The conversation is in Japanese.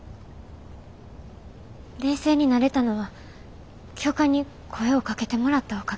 冷静になれたのは教官に声をかけてもらったおかげです。